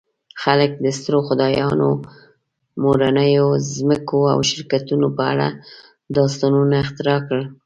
خلک د سترو خدایانو، مورنیو ځمکو او شرکتونو په اړه داستانونه اختراع کړل.